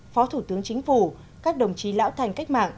phó thủ tướng chính phủ các đồng chí lão thành cách mạng